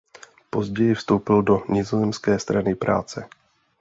Později vstoupil do nizozemské Strany práce.